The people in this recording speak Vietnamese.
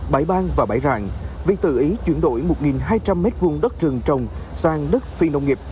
bãi bang và bãi rạng vì tự ý chuyển đổi một hai trăm linh m hai đất rừng trồng sang đất phi nông nghiệp